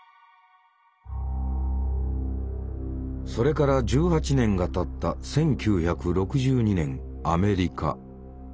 それから１８年がたった１９６２年アメリカ。